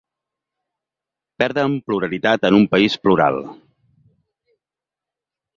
Perden pluralitat en un país plural.